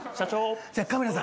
カメラさん抜け